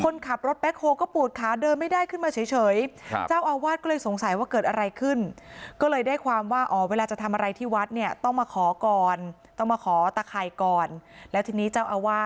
คนขับรถแป๊กโฮก็ปูดขาเดินไม่ได้ขึ้นมาเฉยครับ